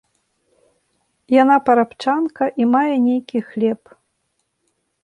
Яна парабчанка і мае нейкі хлеб.